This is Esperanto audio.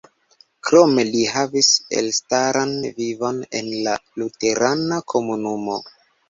Krome li havis elstaran vivon en la luterana komunumo.